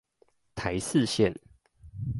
台四線